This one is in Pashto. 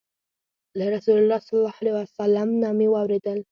له رسول الله صلى الله عليه وسلم نه مي واورېدل